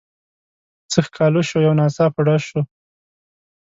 څه ښکالو شوه یو ناڅاپه ډز شو.